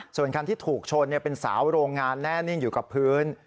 ส่วนคันที่ถูกชนเป็นสาวโรงงานแน่นิ่งอยู่กับพื้น